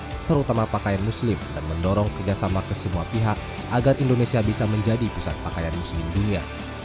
ini terutama pakaian muslim dan mendorong kerjasama ke semua pihak agar indonesia bisa menjadi pusat pakaian muslim dunia